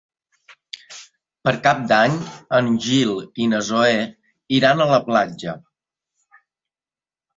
Per Cap d'Any en Gil i na Zoè iran a la platja.